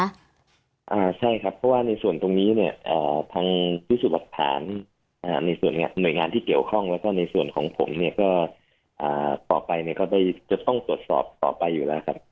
ใช่ครับเพราะว่าในส่วนตรงนี้เนี่ยทางพิสูจน์หลักฐานในส่วนหน่วยงานที่เกี่ยวข้องแล้วก็ในส่วนของผมเนี่ยก็ต่อไปเนี่ยก็ได้จะต้องตรวจสอบต่อไปอยู่แล้วครับ